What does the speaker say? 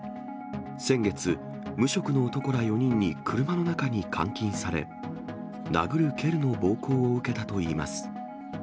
先月、無職の男ら４人に車の中に監禁され、殴る蹴るの暴行を受けたといいます。